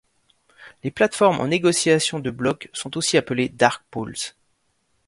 Les plateformes en négociations de blocs sont aussi appelés Dark pools.